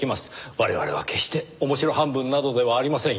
我々は決して面白半分などではありませんよ。